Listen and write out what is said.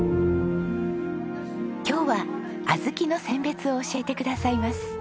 今日は小豆の選別を教えてくださいます。